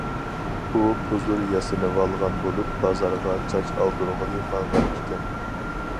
ئۇ پۇزۇر ياسىنىۋالغان بولۇپ، بازارغا چاچ ئالدۇرغىلى ماڭغان ئىكەن.